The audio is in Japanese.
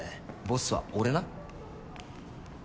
ボスは俺な。